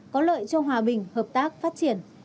có lợi cho hòa bình hợp tác phát triển